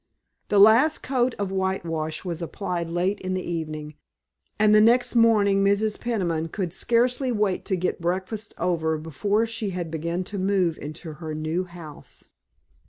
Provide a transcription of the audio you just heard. The last coat of whitewash was applied late in the evening, and the next morning Mrs. Peniman could scarcely wait to get breakfast over before she began to move into her new house.